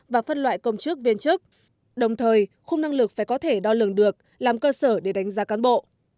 và phân loại công chức viên chức đồng thời khung năng lực phải có thể đo lường được làm cơ sở để đánh giá cán bộ